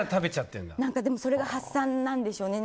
でもそれが発散なんでしょうね。